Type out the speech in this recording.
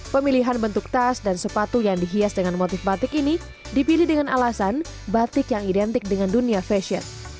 pemilihan bentuk tas dan sepatu yang dihias dengan motif batik ini dipilih dengan alasan batik yang identik dengan dunia fashion